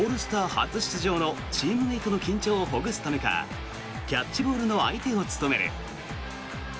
初出場のチームメートの緊張をほぐすためかキャッチボールの相手を務める。